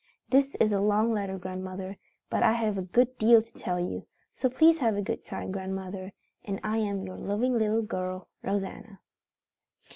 "This is a long letter, grandmother, but I had a good deal to tell you. So please have a good time, grandmother, and I am your loving little girl "ROSANNA."